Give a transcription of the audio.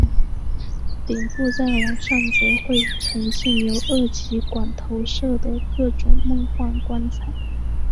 顶部在晚上则会呈现由二极管投射的各种梦幻光彩。